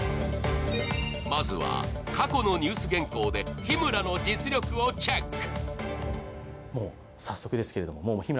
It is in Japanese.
まずは過去のニュース原稿で日村の実力をチェック。